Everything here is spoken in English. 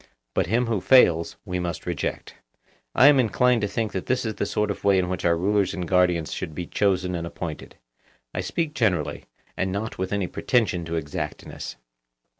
But him who fails, we must reject. I am inclined to think that this is the sort of way in which our rulers and guardians should be chosen and appointed. I speak generally, and not with any pretension to exactness.